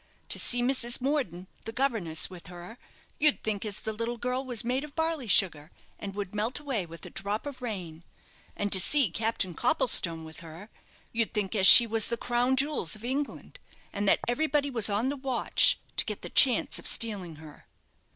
To see Mrs. Morden, the governess, with her, you'd think as the little girl was made of barley sugar, and would melt away with a drop of rain; and to see Captain Copplestone with her, you'd think as she was the crown jewels of England, and that everybody was on the watch to get the chance of stealing her."